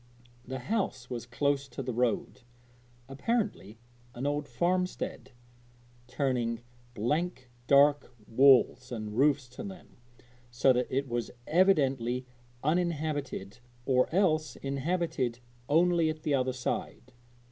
The house was close to the road apparently an old farmstead turning blank dark walls and roofs to them, so that it was evidently uninhabited or else inhabited only at the other side.